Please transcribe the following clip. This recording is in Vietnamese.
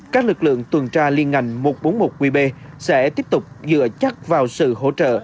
các lực lượng tuần tra liên ngành một trăm bốn mươi một qb sẽ tiếp tục dựa chắc vào sự hỗ trợ